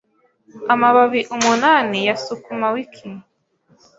Amababi umunani ya sukumawiki